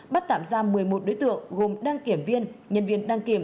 bắt tạm ra một mươi một đối tượng gồm đăng kiểm viên nhân viên đăng kiểm